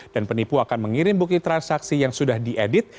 dan penipu akan mengirim bukti transaksi yang sudah diedit